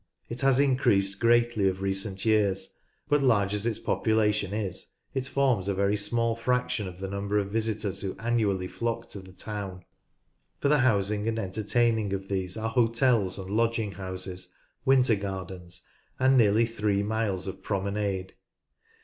It has increased greatly of recent years but large as its population is, it forms a very small fraction of the number of „*>'.• Coniston Village visitors who annually flock to the town. For the housing and entertaining of these are hotels and lodging houses, winter gardens, and nearly three miles of promenade.